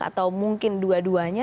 atau mungkin dua duanya